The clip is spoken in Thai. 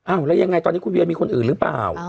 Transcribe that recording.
แล้วยังไงตอนนี้คุณเวียมีคนอื่นหรือเปล่า